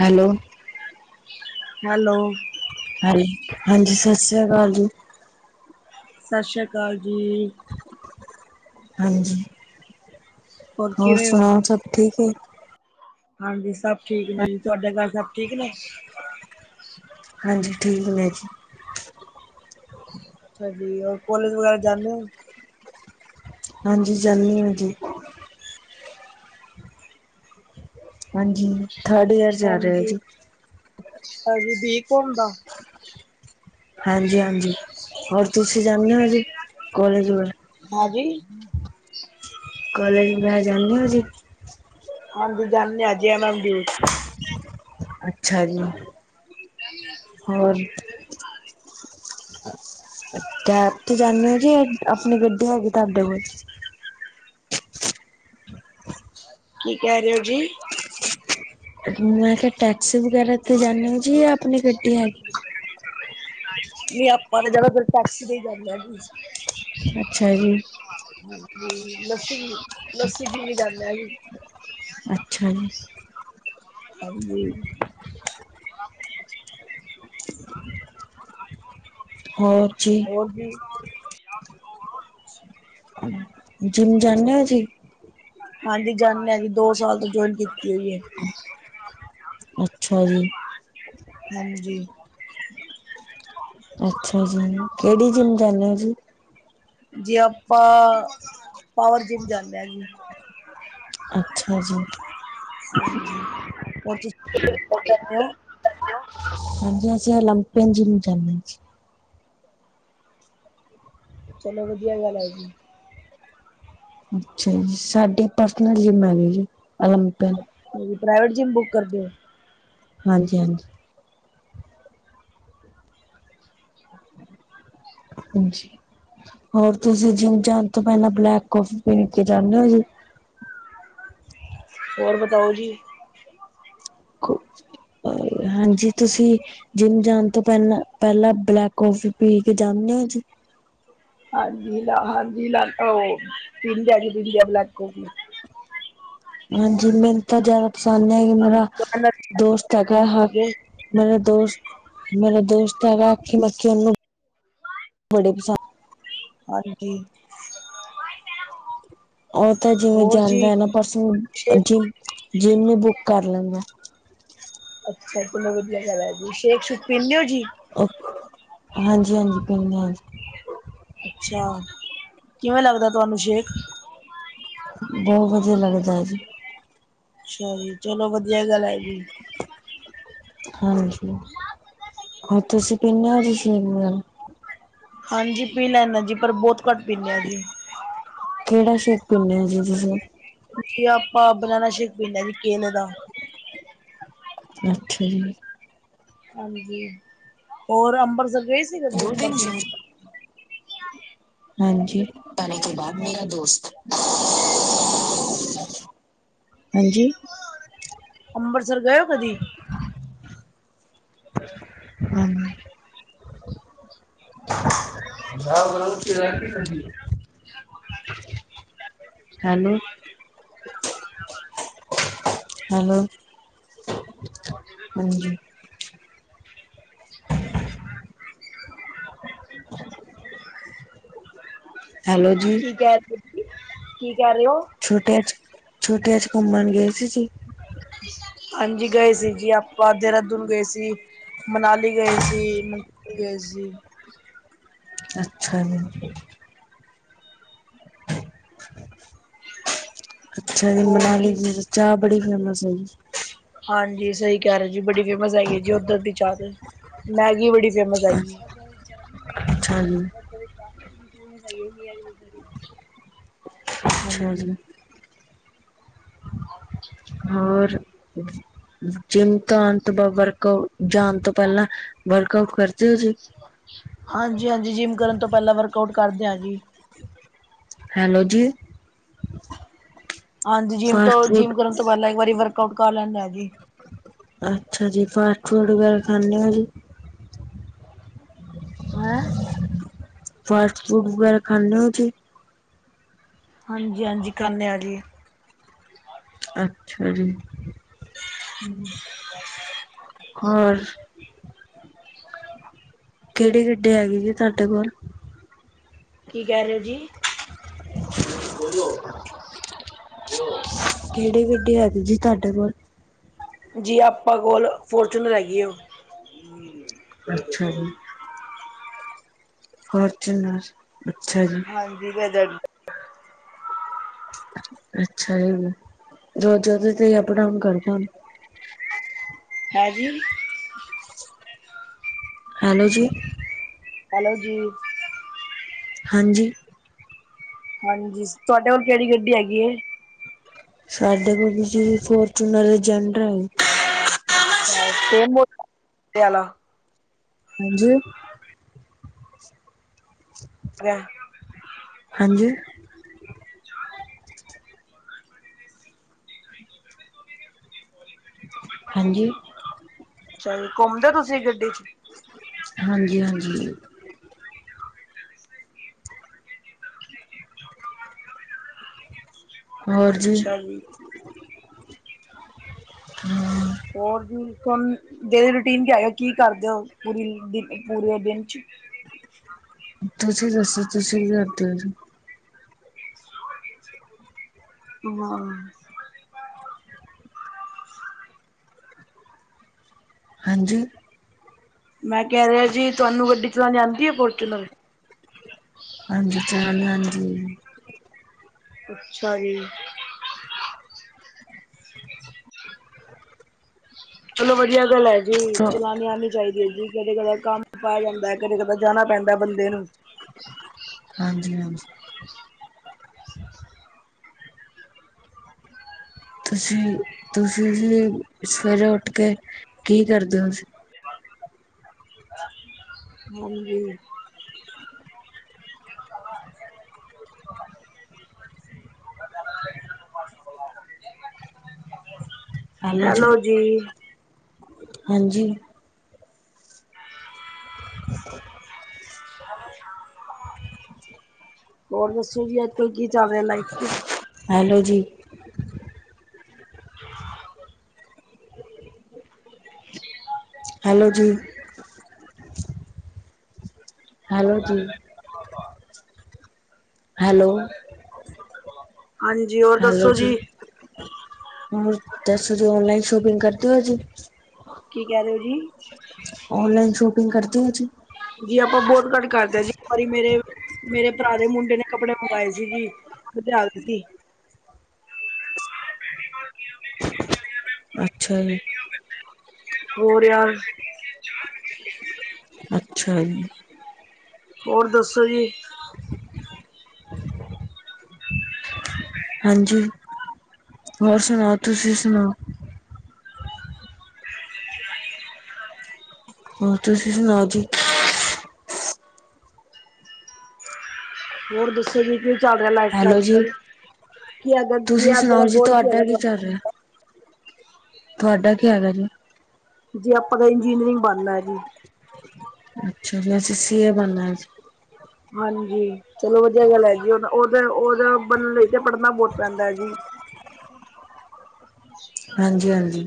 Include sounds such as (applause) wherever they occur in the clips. Hello hello hello ਹਾਂਜੀ ਸਤਿ ਸ੍ਰੀ ਅਕਾਲ ਜੀ। ਸਤਿ ਸ਼੍ਰੀ ਅਕਾਲ ਜੀ। ਹਾਂਜੀ ਹੋਰ ਕਿਵੇਂ ਹੋ? ਸੁਣਾਓ ਸਭ ਠੀਕ ਏ। ਹਾਂਜੀ ਸਭ ਠੀਕ ਨੇ ਜੀ ਤੁਹਾਡੇ ਘਰ ਸਭ ਠੀਕ ਨੇ। ਹਾਂਜੀ ਠੀਕ ਨੇ ਜੀ। ਅੱਛਾ ਜੀ ਹੋਰ ਕੋਲੇਜ ਵਗੈਰਾ ਜਾਂਦੇ ਨੇ। ਹਾਂਜੀ ਜਾਂਣੀ ਆਂ ਜੀ। ਹਾਂਜੀ ਥਰਡ ਏਅਰ ਹਾਂਜੀ-ਹਾਂਜੀ ਠੀਕ ਹੁਣ ਦਾ ਹਾਂਜੀ-ਹਾਂਜੀ ਹੋਰ ਤੁਸੀਂ ਜਾਂਦੇ ਹੋ ਜੀ ਕੋਲੇਜ ਵ ਹਾਂਜੀ ਕਲੇਜ ਬੈ ਜਾਂਦੇ ਓ ਜੀ। ਹਾਂਜੀ ਜਾਂਦੇ ਜੀ ਐਮ ਐਮ ਜੀ। ਅੱਛਾ ਜੀ ਹੋਰ ਕੈਬ ਤੇ ਜਾਣੇ ਓ ਜੀ ਆਪਣੇ ਗੱਡੀ ਹੈਗੀ ਤਾਂਡੇ ਕੋਲ ਕੀ ਕਹਿ ਰਏ ਓ ਜੀ। ਮੈਂ ਕਿਆ ਟੈਕਸੀ ਵਗੈਰਾ ਤੇ ਜਾਂਣੇ ਓ ਜੀ ਆਪਣੀ ਗੱਡੀ ਹੈਗੀ। ਨਈ ਆਪਾਂ ਤਾਂ ਜਾਣਾ ਫਿਰ ਟੈਕਸੀ ਤੇ ਹੀ ਜਾਂਣੇ ਜੀ। ਅੱਛਾ ਜੀ। ਹਾਂਜੀ ਲੱਸੀ-ਲੱਸੀ ਪੀ ਵੀ ਜਾਂਦਾ ਜੀ। ਅੱਛਾ ਜੀ, ਹਾਂਜੀ (inaudible) ਆਈਫੋਨ ਜਰੂਰੀ ਹੋਰ ਜੀ। ਹੋਰ ਜੀ। ਜਿੰਮ ਜਾਣੇ ਓ ਜੀ। ਹਾਂਜੀ ਜਾਨੇ ਆਂ ਜੀ ਦੋ ਸਾਲ ਤੋਂ ਜੁਆਇਨ ਕੀਤੀ ਹੋਈ ਏ। ਅੱਛਾ ਜੀ। ਹਾਂਜੀ। ਅੱਛਾ ਜੀ ਕੇੜੀ ਜਿੰਮ ਜਾਨੇ ਓ ਜੀ। ਜੀ ਆਪਾਂ ਪਾਵਰ ਜਿੰਮ ਜਾਨੇ ਆਂ ਜੀ। ਅੱਛਾ ਜੀ। ਹਾਂਜੀ ਹੋਰ ਤੁਸੀਂਦੇ (unintelligible) ਹੋ ਹਾਂਜੀ, ਅਸੀਂ ਓਲੰਪੀਨ ਜਿੰਮ ਜਾਨੇ ਆ ਜੀ। ਚਲੋ, ਵਧੀਆ ਗੱਲ ਐ ਜੀ। ਅੱਛਾ ਜੀ, ਸਾਡੀ ਪਰਸਨਲ ਜਿੰਮ ਹੈਗੀ ਜੀ ਓਲੰਪਿਕ ਪ੍ਰਾਈਵੇਟ ਜਿੰਮ ਬੁੱਕ ਕਰਦੇ ਓ? ਹਾਂਜੀ ਹਾਂਜੀ ਹਾਂਜੀ ਹੋਰ ਤੁਸੀਂ ਜਿੰਮ ਜਾਣ ਤੋਂ ਪੈਲਾ ਬਲੈਕ ਕੌਫੀ ਪੀ ਕੇ ਜਾਨੇ ਓ ਜੀ? ਔਰ ਬਤਾਓ ਜੀ। (unintelligible) ਹਾਂਜੀ, ਤੁਸੀਂ। ਜਿੰਮ ਜਾਣ ਤੋਂ ਪੈਲਾਂ, ਪੈਲਾਂ ਬਲੈਕ ਕੌਫੀ ਪੀ ਕੇ ਜਾਨੇ ਓ ਜੀ। ਹਾਂਜੀ, ਹਾਂਜੀ ਲੈ (unintelligible) ਹਾਂਜੀ ਜਿੰਮ ਜਾ ਕੇ ਪੀਂਦੀ ਆ ਬਲੈਕ ਕੌਫੀ। ਹਾਂਜੀ, ਮੈਨੂੰ ਤਾਂ ਜਾਦਾ ਪਸੰਦ ਨੀ ਹੈਗੀ ਮੇਰਾ ਹਾਂਜੀ ਦੋਸਤ ਹੈਗਾ ਮੇਰਾ ਦੋਸਤ, ਮੇਰਾ ਦੋਸਤ ਹੈਗਾ (unintelligible) ਆਖੀ ਮੱਚੀ ਉਹਨੂੰ ਬੜੀ ਪਸੰਦ। ਹਾਂਜੀ। ਓ ਤਾਂ ਜਿਵੇਂ ਹੋਰ ਜਾਂਦਾ ਜੀ ਐ ਨਾ ਬਸ ਓ ਸ਼ੇਕ ਜਿੰਮ ਜਿੰਮ ਈ ਬੁੱਕ ਕਰ ਲੈਂਦਾ। ਅੱਛਾ ਚਲੋ ਵਧੀਆ ਗੱਲ ਐ ਜੀ ਸ਼ੇਕ ਸੁਕ ਪੀਂਦੇ ਓ ਜੀ? ਹਾਂਜੀ, ਹਾਂਜੀ ਪੀਨੇ ਆ ਜੀ। ਅੱਛਾ, ਕਿਵੇਂ ਲੱਗਦਾ ਤੁਆਨੂੰ ਸ਼ੇਕ? ਬਹੁਤ ਵਧੀਆ ਲੱਗਦੈ ਜੀ। ਅੱਛਾ ਜੀ, ਚਲੋ ਵਧੀਆ ਗੱਲ ਐ ਜੀ। ਹਾਂਜੀ, ਔਰ ਤੁਸੀਂ ਪੀਨੇ ਔ ਜੀ ਸ਼ੇਕ ਵਗੈਰਾ? ਹਾਂਜੀ ਪੀ ਲੈਨਾ ਜੀ ਪਰ ਬੌਤ ਘੱਟ ਪੀਨੇ ਆ ਜੀ। ਕੇੜ੍ਹਾ ਸ਼ੇਕ ਪੀਨੇ ਓ ਜੀ ਤੁਸੀਂ? ਜੀ ਆਪਾਂ ਬਨਾਨਾ ਸ਼ੇਕ ਪੀਨੇ ਆ ਜੀ ਕੇਲ ਦਾ। ਅੱਛਾ ਜੀ। ਹਾਂਜੀ, ਔਰ ਅੰਬਰਸਰ ਗਏ ਸੀ ਕਦੀ ਦੋ ਦਿਨ ਅੰਬਰਸਰ? ਜਿਮ ਹਾਂਜੀ ਪਾਣੀ ਕੇ ਬਾਅਦ ਮੇਰਾ ਦੋਸਤ। ਹਾਂਜੀ। ਅੰਬਰਸਰ ਗਏ ਓ ਕਦੀ? ਹਾਂਜੀ। ਹੈਲੋ। ਹੈਲੋ, ਹਾਂਜੀ। ਹੈਲੋ ਜੀ ਕੀ ਕੈ ਰੇ ਕੀ ਕੈ ਰੇ ਓ? ਛੁੱਟੀਆਂ 'ਚ ਛੁੱਟੀਆਂ 'ਚ ਘੁੰਮਣ ਗਏ ਸੀ ਤੁਸੀਂ? ਹਾਂਜੀ, ਗਏ ਸੀ ਜੀ ਆਪਾਂ ਦੇਹਰਾਦੂਨ ਗਏ ਸੀ। ਮਨਾਲੀ ਗਏ ਸੀ, ਮਨਸੂਰੀ ਗਏ ਸੀ। ਅੱਛਾ ਜੀ। (unintelligible) ਅੱਛਾ ਜੀ ਹੋਰ ਮਨਾਲੀ ਜੀ ਦੀ ਤੇ ਚਾਹ ਬੜੀ ਫੇਮਸ ਹੋਈ। ਹਾਂਜੀ, ਸਈ ਕੈ ਰੇ ਓ ਜੀ ਬੜੀ ਫੇਮਸ ਹੈਗੀ ਓਦਰ ਦੀ ਚਾਹ ਤੇ। ਮੈਗੀ, ਬੜੀ ਫੇਮਸ ਹੈਗੀ ਹੈ। ਅੱਛਾ ਜੀ ਉਧਰ ਦੀ ਚਾਹ ਬੜੀ ਫੇਮਸ ਹੈਗੀ ਜੀ। (inaudible) ਅੱਛਾ ਹਾਂਜੀ। ਜੀ ਹਾਂਜੀ। ਹੋਰ ਤੁਸੀਂ ਜਿੰਮ ਤੋਂ ਆਉਣ ਤੋਂ ਬਾ ਵਰਕ ਆਊਟ, ਜਾਣ ਤੋਂ ਪਹਿਲਾਂ, ਵਰਕਆਊਟ ਕਰਦੇ ਸੀ? ਹਾਂਜੀ- ਹਾਂਜੀ ਜਿੰਮ ਕਰਨ ਤੋਂ ਪਹਿਲਾਂ ਵਰਕ ਆਊਟ ਕਰਦੇ ਹਾਂ ਜੀ। ਹੈਲੋ ਜੀ। ਹਾਂਜੀ, ਜਿੰਮ ਤੋਂ ਫਾਸਟ ਫੂਡ ਜਿੰਮ ਕਰਨ ਤੋਂ ਪਹਿਲਾਂ ਇੱਕ ਵਾਰੀ ਵਰਕਆਊਟ ਕਰ ਲੈਂਣੇ ਆਂ ਜੀ। ਅੱਛਾ ਜੀ, ਫਾਸਟ ਫੂਟ ਵਗੈਰਾ, ਖਾਂਦੇ ਹੋ ਜੀ। ਹੈਂ ਫਾਸਟ ਫੂਡ ਵਗੈਰਾ, ਖਾਂਦੇ ਹੋ ਜੀ? ਹਾਂਜੀ- ਹਾਂਜੀ ਖਾਣੇ ਆ ਜੀ। ਅੱਛਾ ਜੀ, ਹੋਰ ਕਿਹੜੀ ਗੱਡੀ, ਹੈਗੀ ਜੀ ਤੁਹਾਡੇ ਕੋਲ? ਕੀ ਕਹਿ, ਰਹੇ ਹੋ ਜੀ? ਕਿਹੜੀ ਗੱਡੀ, ਹੈਗੀ ਜੀ ਤੁਹਾਡੇ ਕੋਲ? ਜੀ ਆਪਾਂ ਕੋਲ ਫੋਰਚੂਨਰ, ਹੈਗੀ ਹੋ ਅੱਛਾ ਜੀ। ਫੋਰਚੂਨਰ, ਅੱਛਾ ਜੀ ਹਾਂਜੀ, ਵੈਦਰ ਅੱਛਾ ਜੀ ਦੋ -ਚਾਰ ਚ, ਅਪ ਡਾਊਨ ਪਾਣ ਹੈਵੀ ਹੈਲੋ ਜੀ। ਹੈਲੋ ਜੀ। ਹਾਂਜੀ। ਹਾਂਜੀ, ਤੁਹਾਡੇ ਕੋਲ ਕਿਹੜੀ ਗੱਡੀ ਹੈਗ ਏ? ਸਾਡੇ ਕੋਲ ਫੋਰਚੂਨਰ ਜਡਰ, ਸ ਬ। (inaudible) (inaudible) ਹਾਂਜੀ। ਅ ਹਾਂਜੀ। ਹ। (inaudible) ਹਾਂਜੀ। ਚੱਲ ਘੁੰਮ ਲਿਆ ਤੁਸੀਂ ਗੱਡੀ ਚ ਹਾਂਜੀ- ਹਾਂਜੀ। ਅੱਛਾ ਜੀ। ਹੋਰ, ਵੀ ਕੋਣ? ਡੇਲੀ ਰੂਟੀਨ ਆਏ, ਕੀ ਕਰਦੇ ਹੋ ਪੂਰੀ - ਪੂਰੇ ਦਿਨ ਚ ਤੁਸੀਂ ਦੱਸੋ, ਤੁਸੀਕੀ ਕਰ ਦੇ ਹੋ ਜੀ? ਬਿਮਾਰ ਆ ਅਸੀਂ। ਹਾਂਜੀ। ਮੈਂ ਕਹਿ ਰਿਹਾ ਜੀ, ਤੁਹਾਨੂੰ ਗੱਡੀ ਚਲਾਉਣ ਜਾਂਦੀ ਆ ਫੋਰਚੂਲਰ। ਹਾਂਜੀ, ਚਾਲ਼ਾਣੀ ਹਾਂਜੀ। ਅੱਛਾ ਜੀ। ਚਲੋ ਵਧੀਆ ਗੱਲ ਹੈ ਜੀ, ਚਲਾਨੀ ਆਉਣੀ ਚਾਹੀਦੀ ਹੈ ਜੀ। ਕਦੇ- ਕਦਾ ਕੰਮ ਪੈ ਜਾਂਦਾ, ਕਦੇ ਕਦਾ ਜਾਣਾ ਪੈਂਦਾ, ਬੰਦੇ ਨੂੰ। ਹਾਂਜੀ -ਹਾਂਜੀ! (unintelligible) ਤੁਸੀ- ਤੁਸੀਂ, ਵੀ ਸਵੇਰੇ ਉੱਠ ਕੇ ਕੀ ਕਰਦੇ ਹੋ? (inaudible) ਹਜੀ। ਹੈਲੋ ਜੀ। ਹਾਂਜੀ! ਹੋਰ ਦੱਸੋ ਜੀ, ਅੱਜ ਕੱਲ ਕੀ ਚੱਲ ਰਿਹਾ ਲਾਈਫ ਚ। ਹੈਲੋ ਜੀ। ਹੈਲੋ ਜੀ। ਹੈਲੋ ਜੀ। ਹੈਲੋ। ਹਾਂਜੀਓ। ਹੈਲੋ ਜੀ (unintelligible) ਮ ਦਸੋ ਔਨਲਾਇਨ ਸੌਪਿੰਗ ਕਰਦੇ ਓ ਜੀ। ਕੀ ਕਹਿ ਰਹੇ ਹੋ, ਜੀ। ਔਨਲਾਈਨ ਸ਼ੋਪਿੰਗ ਕਰਦੇ ਹੋ ਜੀ? ਜੀ, ਆਪਾਂ ਬਹੁਤ ਘੱਟ ਕਰਦੇ ਹਾਂ ਜੀ, ਇੱਕ ਵਾਰੀ ਮੇਰੇ, ਮੇਰੇ ਭਰਾ ਦੇ ਮੁੰਡੇ ਨੇ ਕੱਪੜੇ ਮੰਗਏ ਸੀ, ਜੀ। ਖੱਧਰਾ ਆ ਸੀ। (unintelligible) ਅੱਛਾ ਜੀ। ਹੋ। (unintelligible) ਹੋਰ ਯਾਰ। (unintelligible) ਅੱਛਾ ਜੀ। ਔਰ ਦੱਸੋ ਜੀ। ਹਾਂਜੀ! ਹੋਰ ਸੁਣਾਓ, ਤੁਸੀਂ ਸੁਣਾਓ ਹੋਰ ਤੁਸੀਂ ਸੁਣਾਓ ਜੀ। ਹੋਰ ਦੱਸੋ ਜੀ, ਕਿ ਚੱਲ ਰਿਹਾ ਲਾਈਫ ਚ, ਹੈਲੋ ਅੱਜ ਜੀ, ਕੱਲ। ਕੀ ਅਗ ਤੁਸੀਂ ਕੀਗ ਦਾ ਸੁਣਾਓ ਜੀ ਗੋਲ ਤੁਹਾਡਾ ਕੀ ਕੀਗਾ ਚੱਲ ਰਿਹਾ? (unintelligible) ਤੁਹਾਡਾ ਕੀ ਹਾਲ ਹੈ ਜੀ? ਜੀ, ਆਪਾਂ ਤਾਂ ਇੰਜੀਨੀਅਰਿੰਗ ਬਣਨਾ ਜੀ। ਅੱਛਾ ਜੀ, ਅਸੀ ਸੀਏ ਬਣਣਾ ਜੀ। ਹਾਂਜੀ! ਚਲੋ ਵਧੀਆ ਗੱਲ ਹੈ ਜੀ, ਉਹ ਉਹਦਾ, ਉਹਦਾ ਬਣਨ ਲਈ ਤੇ ਪੜ੍ਹਨਾ ਬਹੁਤ ਪੈਂਦਾ ਹੈ ਜੀ। ਹਾਂਜੀ -ਹਾਂਜੀ!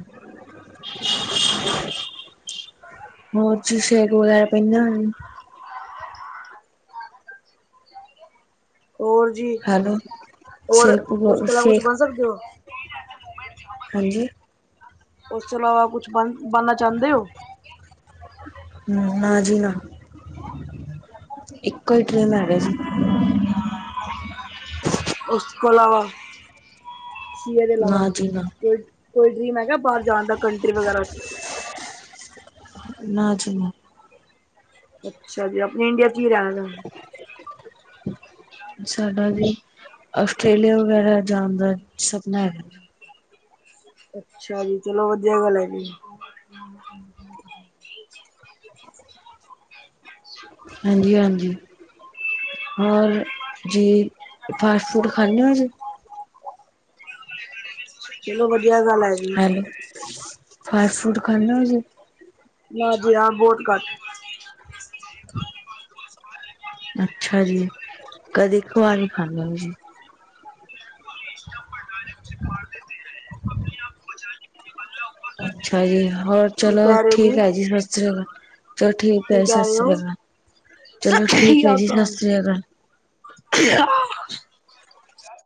ਹੋਰ ਚੀ ਸੀ ਏ ਵਗੈਰਾ ਬਣਣਾ ਹੈ (unintelligible) ਹੋਰ ਜੀ, ਹੈਲੋ, ਔਰ, ਸ਼ੇਕ ਉਸ ਵ ਤੋਂ ਇਲਾਵਾ ਕੁਛ ਸ਼ੇਕ ਬਣ ਸਕਦੇ ਹੋ? ਹਾਂਜੀ, (inaudible) ਉਸ ਤੋਂ ਇਲਾਵਾ ਕੁੱਛ ਬਣ, ਬਣਨਾ ਚਾਹੁੰਦੇ ਹੋ? ਹੰ, ਨਾ ਜੀ ਨਾ। ਇੱਕੋ ਹੀ ਡਰੀਮ ਹੇਗਾ ਜੀ। ਉਸ ਤੋਂ (unintelligible) ਇਲਾਵਾ ਸੀ ਏ ਦੇ ਇਲਾਵਾ, ਨਾ ਜੀ ਨਾ, ਕੋਈ ਕੋਈ ਡਰੀਮ ਹੈਗਾ ਬਾਹਰ ਜਾਣ ਦਾ, ਕੰਟਰੀ ਵਗੈਰਾ। ਨਾ ਜੀ ਨਾ। ਅੱਛਾ ਜੀ, ਆਪਣੇ ਇੰਡੀਆ ਕੀ ਰਹਿਣ ਦਾ। ਸਾਡਾ ਜੀ, ਆਸਟ੍ਰੇਲੀਆ ਵਗੈਰਾ ਜਾਣ ਦਾ‌ ਅ ਅੱਛਾ ਜੀ, ਚਲੋ ਵਧੀਆ ਗੱਲ ਹੈਗੀ। ਹਾਂਜੀ ਹਾਂਜੀ ਜੀ (unintelligible) ਫਾਸਟ ਫੂਡ ਖਾਂਦੇ ਹੋ ਜੀ? ਖਾਲੀ ਚਲੋ ਵਧੀਆ ਗੱਲ ਆ ਹੈ ਜੀ। ਹੈਲੋ ਫਾਸਟ ਫੂਡ ਖਾਂਦੇ ਹੁੰਦੇ ਜੇ ਨਾ ਜੀ ਨਾ ਬਹੁਤ ਘੱਟ (unintelligible) ਖਾਲੀ ਬ (unintelligible) (unintelligible) ਅੱਛਾ ਜੀ ਕਦੇ ਕਦਾਰ ਹੀ ਖਾਂਦੇ ਜੀ ਡਟਿ ਮਾਰਤੇ ਹੈ ਆਪਣੇ ਆਪ ਬਚਾ (unintelligible) ਬ (unintelligible) ਅੱਛਾ ਜੀ ਹੋਰ ਚਲੋ ਠੀਕ ਹੈ ਜੀ ਸਤਿ ਸ੍ਰੀ ਅਕਾਲ ਚਲੋ ਠੀਕ ਕੀ ਹੈ ਜੀ ਕਹਿ ਸਤਿ ਰਹੇ ਸ੍ਰੀ ਹੋ? ਅਕਾਲ ਚਲੋ ਸਤਿ ਠੀਕ ਹੈ ਜੀ ਸਤਿ ਸ੍ਰੀ ਅਕਾਲ (unintelligible) ਕਿਆ